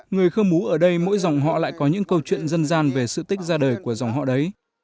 người khơ mú ở đây mỗi dòng họ lại có những câu chuyện dân gian về sự tích ra đời của dòng họ đấy